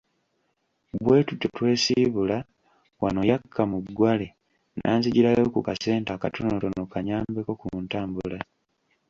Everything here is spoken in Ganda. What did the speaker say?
Bwe tutyo, twesiibula, wano yakka mu ggwale n'anzigirayo ku kasente akatonotono kannyambeko ku ntambula.